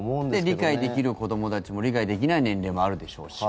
理解できる子どもたちも理解できない年齢もあるでしょうし。